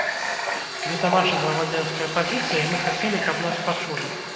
Гэта наша грамадзянская пазіцыя і мы хацелі, каб нас пачулі.